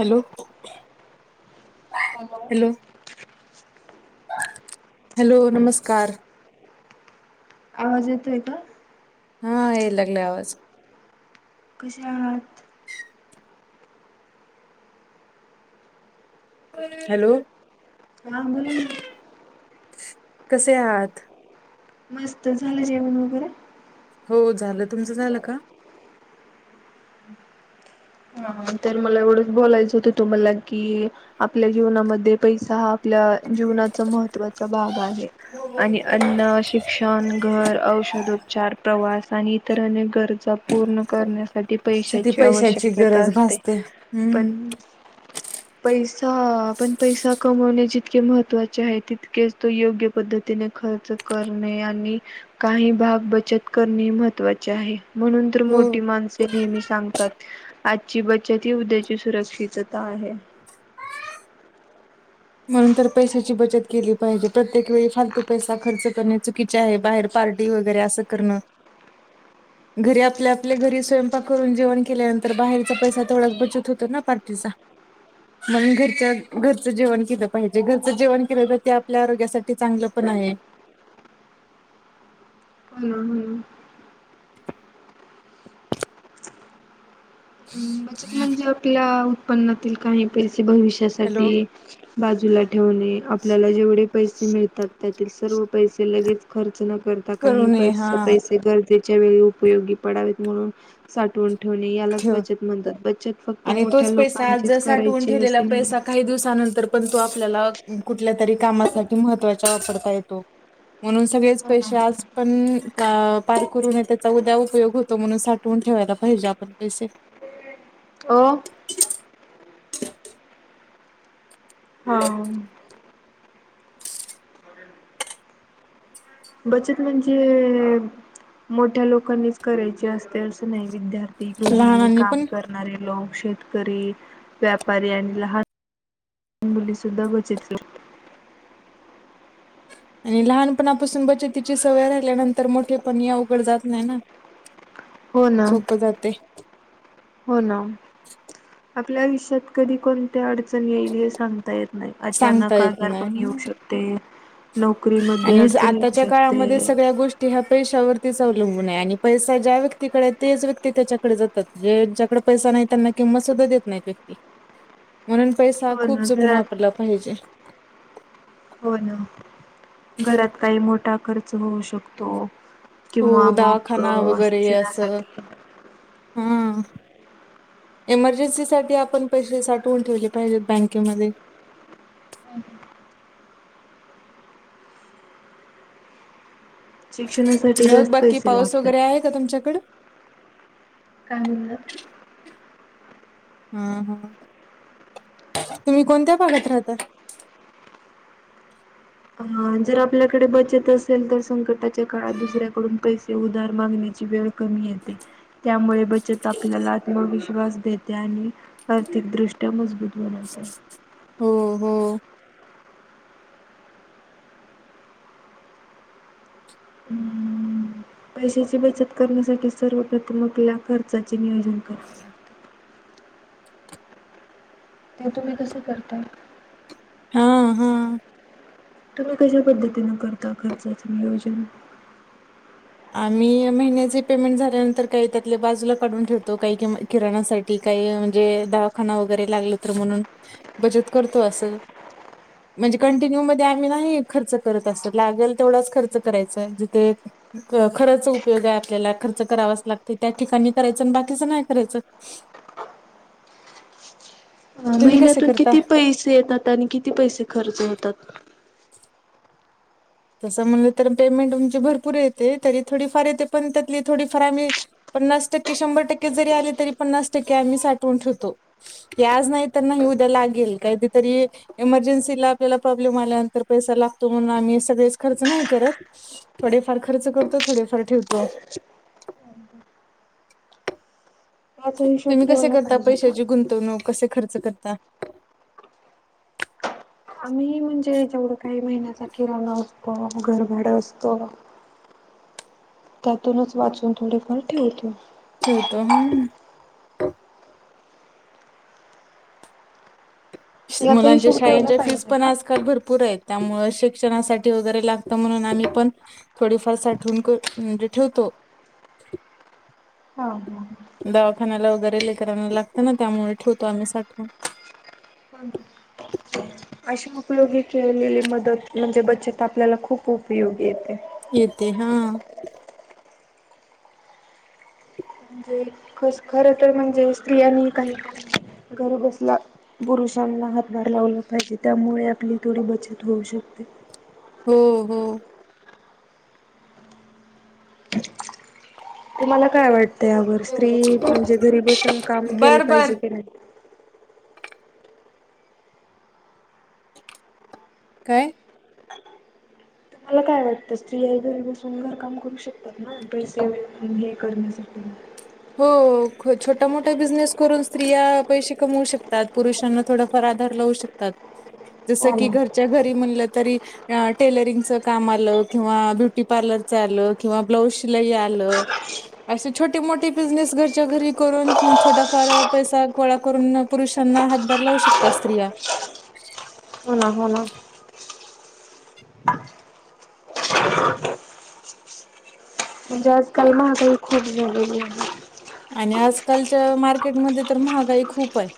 Hello hello hello नमस्कार. आवाज येतोय का? हा याय लागल्या आवाज. कशे आहात? हॅलो. हा बोल ना. कसे आहात? मस्त झालं जेवण वगैरे? हो झालं तुमचं झालं का? हा हा, तर मला एवढंच बोलायचं होतं तुम्हाला की आपल्या जीवनामध्ये पैसा आपल्या जीवनाचा महत्त्वाचा भाग आहे आणि अन्न शिक क्षण, घर, औषधोपचार, प्रवास आणि इतर अनेक गरजा पूर्ण करण्यासाठी पैश्याची आवश्यक जराच भासते हम्म. पैसा पण पैसा कमवणे जितके महत्त्वाचे आहे तितकेच तो योग्य पद्धतीने खर्च करणे आणि काही भाग बचत करणे महत्वाचे आहे म्हणून तर हो मोठी माणसे नेहमी सांगतात आजची बचत ही उद्याची सुरक्षितता आहे. म्हणून तर पैशाची बचत केली पाहिजे प्रत्येक वेळी फालतू पैसा खर्च करण्या चुकी चाय हे बाहेर पार्टी वगैरे असं करणं घरी आपल्या आपल्या घरी स्वयंपाक करून जेवण केल्यानंतर बाहेरचा पैसा तेवढाच बचत होतोय ना पार्टीचा. म्हणून घरच्या घरचं जेवण कीद पाहिजे घरचं जेवण केल तर ते आपल्या आरोग्यासाठी चांगलं पण आहे. हम्म हम्म. बचत म्हणजे आपल्या उत्पन्नातील काही पैसे हॅलो भविष्यासाठी. बाजूला ठेवणे आपल्याला जेवढे. पैसे मिळतात त्यातील सर्व पैसे लगेच खर्च न करता करू काही नये हा पैसे पैसे गरजे ज्यावेळी उपयोगी पडावेत म्हणून साठवून ठेवणे. यालाच ठेव बचत म्हणतात बचत फक्त आणि मोठ्या तोच पैसा आज लोकांचेच जर साठवून करायची ठेवलेला असे नाही. पैसा काही दिवसानंतर पण तो आपल्याला कुठल्या तरी कामासाठी महत्त्वाचा वापरता येतो. म्हणून सगळेच पैशे आज पण का पार करूनय त्याचा उद्या उपयोग होतो म्हणून साठवून ठेवायला पाहिजे आपण पैशे. ओ हा. [inaudible] बचत म्हणजे मोठ्या लोकांनीच करायची असते असं नाही विद्यार्थी गृहिणी, लहानांनी काम पण करणारे लोक, शेतकरी व्यापारी आणि लहान मुलीसुद्धा बचत आणि लहानपणापासून बचतीची सवय राहिल्यानंतर मोठेपणी अवघड जात नाहीय ना. हो ना. सोपं जाते हो ना आपल्या आयुष्यात कधी कोणत्या? अडचण येईल हे सांग सांगता येत नाही सांगता अचानक येत आजार पण येऊ नाही. शकते. नोकरीमध्ये अडचणी येऊ शकते. ते ह्या पैशावरतीच अवलंबून आहे आणि पैसा ज्या व्यक्तीकडे तेच व्यक्ती त्याच्याकडे जातात. ज्याच्याकडे पैसा नाही त्यांना किंमत सुद्धा देत नाही व्यक्ती म्हणून पैसा हो खूप ना जपून घरात वापरला पाहिजे. हो ना घरात काही मोठा खर्च होऊ शकतो. हो किंवा मग दवाखाना वगैरे असं शिक्षणासाठी हा. इमर्जन्सीसाठी आपण पैसे साठवून ठेवले पाहिजेत बैंंकेमध्ये. शिक्षणासाठी मग जास्त बाकी पैसे पाऊस लागतात. वगैरे आहे का तुमच्याकडे? काही हा हा तुम्ही कोणत्या भागात राहता? अ जर आपल्याकडे बचत असेल तर, संकटाच्या काळात दुसऱ्याकडून पैसे उधार मागण्याची वेळ कमी येते, त्यामुळे बचत आपल्याला आत्मविश्वास देते आणि आर्थिकदृष्ट्या मजबूत बनवता. हो हो. अं, पैशाची बचत करण्यासाठी सर्वप्रथम आपल्या खर्चाचे नियोजन करा. मग तुम्ही कस करता? हा. हा. तुम्ही कशा पद्धतीनं करता खर्चाचं नियोजन? आम्ही महिन्याचे पेमेंट झाल्यानंतर काही त्यातले बाजूला काढून ठेवतो काही की किराणासाठी, काही म्हणजे दवाखाना वगैरे लागल तर म्हणून. बचत करतो असं. म्हणजे कंटिन्यू मध्ये आम्ही नाही खर्च करत अस. लागेल तेवढाच खर्च करायच आहे जिथे खरच उपयोग आहे आपल्याला खर्च करावाच लागतं. त्या ठिकाणी करायचं आणि बाकीचं नाही करायचं. [inaudible] तुम्ही कसे महिन्यातून करता किती पैसे येतात आणि किती पैसे खर्च होतात. तसं म्हणलं तर पेमेंट आमची भरपूर येते. तरी थोडीफार येते पण त्यातली थोडीफार आम्ही. पन्नास टक्के शंभर टक्के जरी आले तरी पन्नास टक्के आम्ही साठवून ठेवतो. ते आज नाही तर नाही उद्या लागेल काहीधी तरी. इमर्जन्सीला आपल्याला प्रॉब्लेम आल्यानंतर पैसा लागतो म्हणून आम्ही सगळेच खर्च नाही करत. थोडेफार खर्च करतो थोडेफार ठेवतो. याचा हिशोब तुम्ही कसे ठेवला करता पाहिजे का? पैशाची गुंतवणूक? कसे खर्च करता? आम्ही म्हणजे जेवढं काही महिन्याचा किराणा असतो, घरभाड असतो. त्यातूनच वाचून थोडेफार ठेवतो. ठेवतो हा. याचा मुलांच्या हिशोब ठेवला शाळेच्या फीज पाहिजे पण का आजकाल भरपूर आहेत. त्यामुळे शिक्षणासाठी वगैरे, लागतं म्हणून आम्ही पण. थोडीफार साठवून को ठेवतो. हा हा दवाखान्याला वगैरे लेकरा़ना लागतं ना त्यामुळे ठेवतो आम्ही साठवण. बंद. [inaudible] अशी मुकलोगी केलेले मदत म्हणजे बचत आपल्याला खूप उपयोगी येते. येते हा. म्हणजे कस खरं तर म्हणजे, स्त्रियांनी काही घरं बसल्या. पुरुषांना हातभार लावला पाहिजे, त्यामुळे आपली थोडी बचत होऊ शकते. हो हो. तुम्हाला काय वाटतं यावर स्त्री म्हणजे घरी बसून काम केलं बर बर पाहिजे की नाही? काय तुम्हाला काय वाटतं स्त्रीया ही घरी बसुन घरकाम करू शकतात ना पैसे वे हे करण्यासाठी. हो खो छोटा मोठा बिझनेस करून, स्त्रिया पैसे कमवू शकतात. पुरुषांना थोडं, पर आधार लाऊ शकतात जसं हो ना की घरच्या घरी म्हटलं तरी टेलरिंगचं काम आलं, किंवा ब्युटी पार्लरचं आलं, किंवा ब्लाऊज शिलाई आलं. अशे छोटे-मोठे बिझनेस घरच्या घरी करून छोटाफार पैसा गोळा करून पुरुषांना हातभार लावू शकता स्त्रिया. हो ना, हो ना. म्हणजे आजकाल महागाई खूप झालेली आहे. आणि आजकालच्या मार्केटमध्ये तर महागाई खूप आहे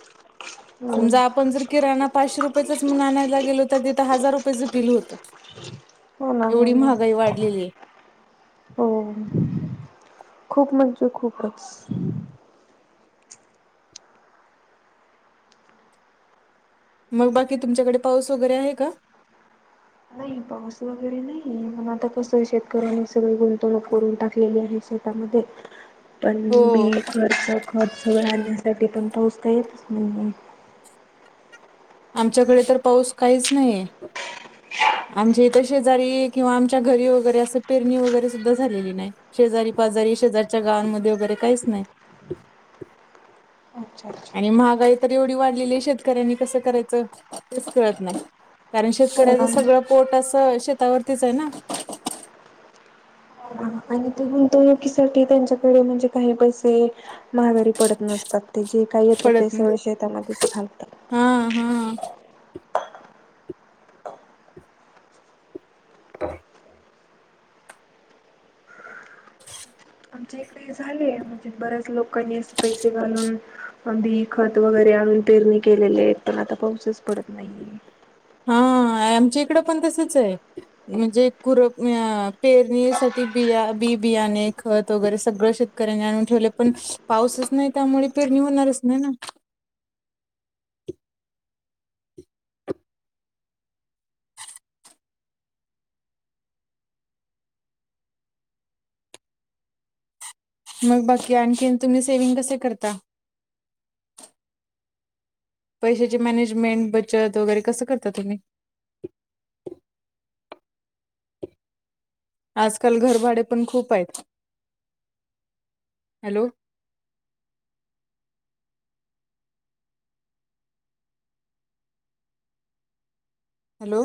हम्म. समजा आपण जर किराणा पाशेच रुपयचा म्हणून आणायला गेलो तर, तिथं हजार रुपयचं बिल होतं. हो ना हो एवढी ना महागाई वाढलेली ये. हो.. खूप म्हणजे खूपचं. मग बाकी, तुमच्याकडे पाऊस वगैरे आहे का. नाही पाऊस वगैरे नाहीय म आता कसं शेतकऱ्यांनी सगळी गुंतवणूक करून टाकलेली आहे शेतामध्ये. [inaudible] पण हो बिल खर्च, खर्च आणण्यासाठी पण पाऊस काय येतच नाही. आमच्याकडे तर पाऊस काहीच नाहीे. आमच्या इथे शेजारी किंवा आमच्या घरी वगैरे, असं पेरणी वगैरे सुद्धा झालेली नाही. शेजारी पाजारी शेजारीच्या, गावांमध्ये वगैरे काहीच नाही. अच्छा अच्छा आणि महागाई तर एवढी वाढलेली, शेतकऱ्यांनी कसं करायचं तेच कळत नाही. कारण हो शेतकऱ्याचं ना. सगळं पोट असं शेतावरतीच आहे ना. [unintelligible] तुम्ही. तो युकीसाठी त्यांच्याकडे म्हणजे काही पैसे महागारी पडत नसतात. ते जे काही येतं ते पडत ना सगळं, शेतामध्ये चं घालतात. हा हा.. [inaudible] [inaudible] आमच्या इकडे हे झाले. त्या म्हणजे बऱ्याच लोकांनी असं पैसे घालून अधी खत वगैरे आणून पेरणी केलेले आहेत, पण आता पाऊसच पडत नाहीये. हा.. आमच्या इकडं पण तसंच आहे. म्हणजे कुरपन्या पेरणीसाठी बिया बि बिया आणि खत वगैरे सगळं शेत करूण आणून ठेवले पण पाऊसच नाही त्यामुळे पेरणी होणारच नाही ना. मग बाकी आणखीन तुम्ही सेविंग कसे करता? पैशाची मॅनेजमेंट बचत वगैरे कसं करता तुम्ही. आजकाल घरभाडे पण खूप आहेत. Hello, hello,